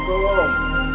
aku mau keluar